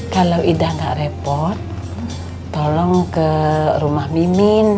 kalau ida nggak repot tolong ke rumah mimin